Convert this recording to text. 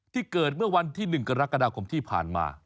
เกิดเมื่อวันที่๑กรกฎาคมที่ผ่านมา